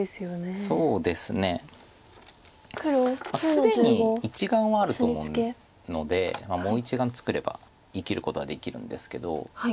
既に１眼はあると思うのでもう１眼作れば生きることはできるんですけど。